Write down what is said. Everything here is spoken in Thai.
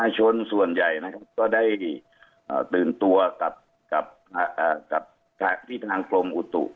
ประชาชนส่วนใหญ่ก็ได้ตื่นตัวกับทางกลมอุตุ